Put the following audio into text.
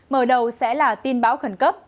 mở đầu sẽ là tin báo khẩn cấp